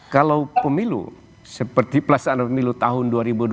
kalau pemilu seperti pelaksanaan pemilu tahun dua ribu dua puluh